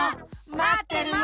まってるよ！